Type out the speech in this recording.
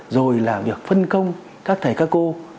rồi làm việc phân công các thầy các cô